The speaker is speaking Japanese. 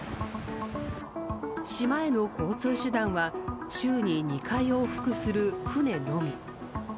島への交通手段は週に２回往復する船のみ。